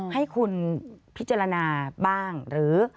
ให้คุณพิจารณาบ้างหรือ